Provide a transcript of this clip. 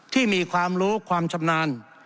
ที่มีความรู้ความชำนาญ